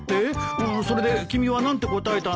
うんそれで君は何て答えたんだ？